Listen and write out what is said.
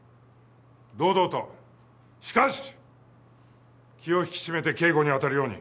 堂々としかし気を引き締めて警護にあたるように。